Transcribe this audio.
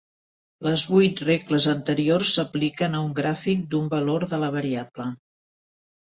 Les vuit regles anteriors s'apliquen a un gràfic d'un valor de la variable.